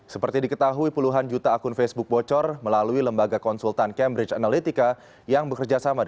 seperti diketahui puluhan juta akun facebook bocor melalui lembaga konsultan cambridge analytica yang bekerja sama